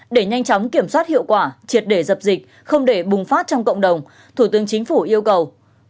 để nhanh chóng kiểm soát hiệu quả triệt để dập dịch không để bùng phát trong cộng đồng thủ tướng chính phủ yêu cầu